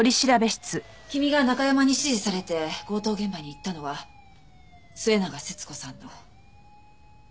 君がナカヤマに指示されて強盗現場に行ったのは末永節子さんの。